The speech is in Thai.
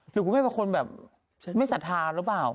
หรือคุณแม่เป็นคนแบบไม่ศรัทธาหรือเปล่า